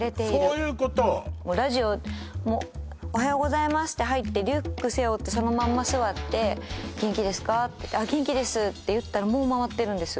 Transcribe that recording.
そういうことラジオもう「おはようございます」って入ってリュック背負ってそのまんま座って「元気ですか？」って「あっ元気です」って言ったらもうまわってるんです